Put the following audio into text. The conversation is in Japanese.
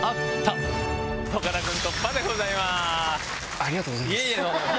ありがとうございます。